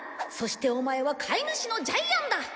「そしてオマエは飼い主のジャイアンだ」